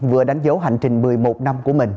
vừa đánh dấu hành trình một mươi một năm của mình